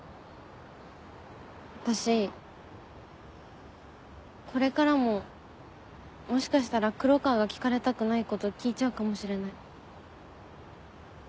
私これからももしかしたら黒川が聞かれたくないこと聞いちゃうかもしれない。